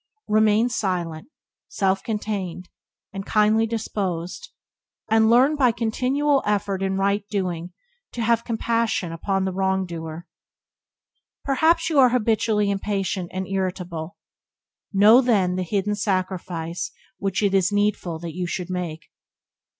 Remain silent, self contained, and kindly disposed; and learn, by continual effort in right doing, to have compassion upon the wrongdoer. Perhaps you are habitually impatient and irritable. Know, then, the hidden sacrifice which it is needful that you should make.